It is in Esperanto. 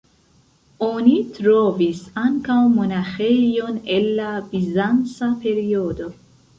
Oni trovis ankaŭ monaĥejon el la bizanca periodo.